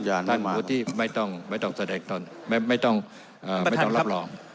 สัญญาณมากท่านผู้ที่ไม่ต้องแสดงตนไม่ต้องเอ่อไม่ต้องรับรอง